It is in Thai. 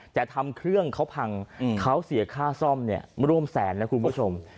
แต่ทำเครื่องเขาพังเขาเสียค่าซ่อมเนี่ยร่วมแสนนะคุณผู้ชม